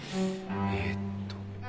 えっと。